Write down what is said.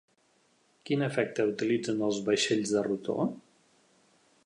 Quin efecte utilitzen els vaixells de rotor?